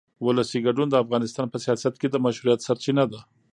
ولسي ګډون د افغانستان په سیاست کې د مشروعیت سرچینه ده